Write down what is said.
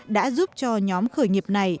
đã giúp cho nhóm khởi nghiệp này